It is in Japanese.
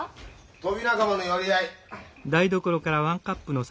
トビ仲間の寄り合い。